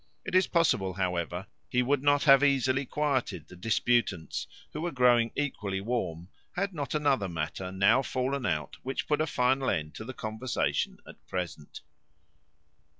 It is possible, however, he would not have easily quieted the disputants, who were growing equally warm, had not another matter now fallen out, which put a final end to the conversation at present.